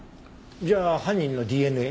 じゃあ犯人のＤＮＡ？